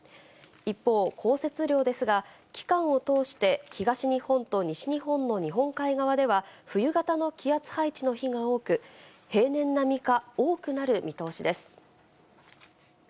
一方、降雪量ですが、期間を通して東日本と西日本の日本海側では、冬型の気圧配置の日が多く、平年並みか多くなる見通しです。